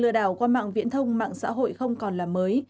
lừa đảo qua mạng viễn thông mạng xã hội không còn là mới